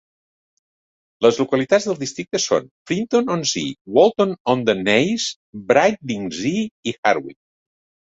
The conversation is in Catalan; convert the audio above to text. Les localitats del districte són Frinton-on-Sea, Walton-on-the-Naze, Brightlingsea i Harwich.